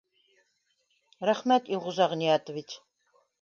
Рәхмәт, Илғужа Ғиниәтович